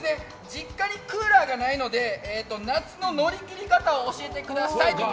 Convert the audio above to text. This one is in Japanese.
実家にクーラーがないので夏の乗り切り方を教えてください。